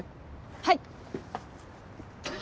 はい！